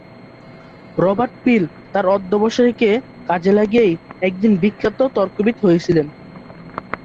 Robert Peel তার অধ্যবসায়কে কাজে লাগিয়েই একদিন বিখ্যাত তর্কবিদ হয়েছিলেন।